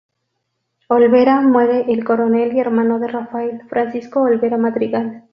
Olvera, muere el coronel y hermano de Rafael, Francisco Olvera Madrigal.